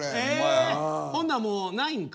ええっほんならもうないんか？